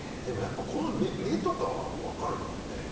でもやっぱりこの目とかはもう分かるからね。